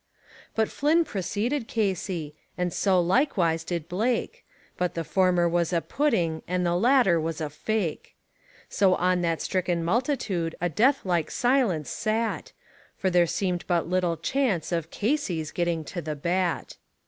But Flynn preceded Casey, and so likewise did Blake, But the former was a pudding, and the latter was a fake; So on that stricken multitude a death like silence sat, For there seemed but little chance of Casey's getting to the bat.